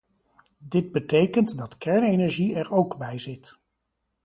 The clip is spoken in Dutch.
Dit betekent dat kernenergie er ook bij zit.